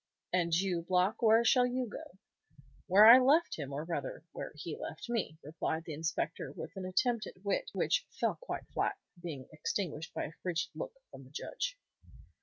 "And you, Block, where shall you go?" "Where I left him, or rather where he left me," replied the inspector, with an attempt at wit, which fell quite flat, being extinguished by a frigid look from the Judge.